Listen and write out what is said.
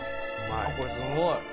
これすごい！